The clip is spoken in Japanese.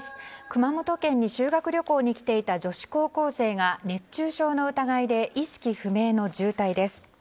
熊本県に修学旅行に来ていた女子高校生が熱中症の疑いで意識不明の重体です。